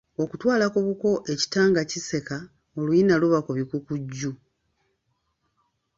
Okutwala ku buko ekita nga kiseka oluyina luba kubikukujju.